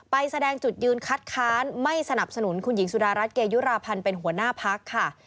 แสดงจุดยืนคัดค้านไม่สนับสนุนคุณหญิงสุดารัฐเกยุราพันธ์เป็นหัวหน้าพักค่ะ